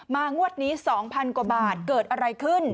มางวดนี้สองพันกว่าบาทเกิดอะไรขึ้น